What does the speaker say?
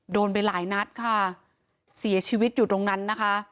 โดนไปหลายนัดค่ะเสียชีวิตอยู่ตรงนั้นนะคะ